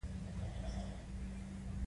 دا بحث د منځني ختیځ په اړه صدق کوي.